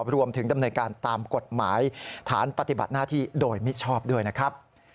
รวมถึงดำเนินการตามกฎหมายฐานปฏิบัติหน้าที่โดยมิชอบด้วยนะครับ